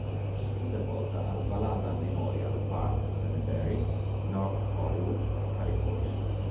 Fu sepolta al Valhalla Memorial Park Cemetery, North Hollywood, California.